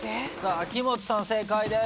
秋元さん正解です。